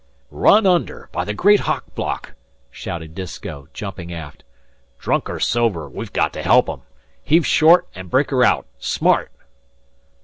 "Run under, by the Great Hook Block!" shouted Disko, jumping aft. "Drunk or sober, we've got to help 'em. Heave short and break her out! Smart!"